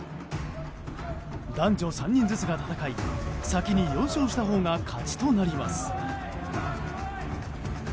男女３人ずつが戦い先に４勝したほうが勝ちとなります。